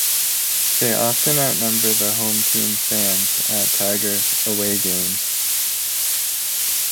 They often outnumber the home team fans at Tigers "away" games.